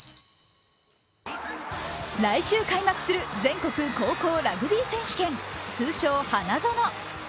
来週開幕する全国高校ラグビー選手権、通称・花園。